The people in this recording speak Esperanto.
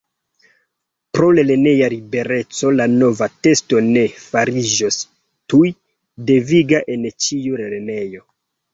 Pro lerneja libereco la nova testo ne fariĝos tuj deviga en ĉiu lernejo.